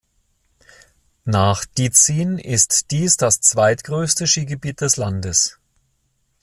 Nach Dizin ist dies das zweitgrößte Skigebiet des Landes.